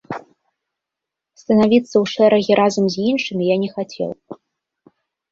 Станавіцца ў шэрагі разам з іншымі я не хацеў.